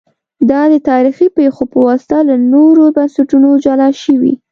دا د تاریخي پېښو په واسطه له نورو بنسټونو جلا شوي